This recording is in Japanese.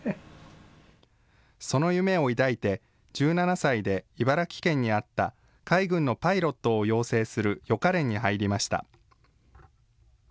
その夢を抱いて、１７歳で茨城県にあった、海軍のパイロットを養成する予科練に入りました。